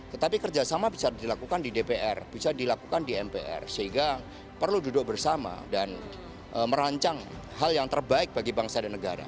tetapi kerjasama bisa dilakukan di dpr bisa dilakukan di mpr sehingga perlu duduk bersama dan merancang hal yang terbaik bagi bangsa dan negara